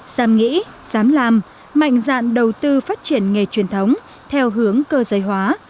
dám nghĩ dám làm mạnh dạn đầu tư phát triển nghề truyền thống theo hướng cơ giới hóa